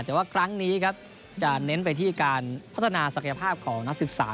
แต่ว่าครั้งนี้ครับจะเน้นไปที่การพัฒนาศักยภาพของนักศึกษา